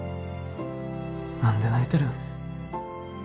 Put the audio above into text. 何で泣いてるん？